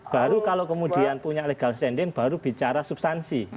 baru kalau kemudian punya legal standing baru bicara substansi